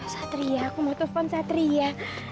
satria aku mau telepon satria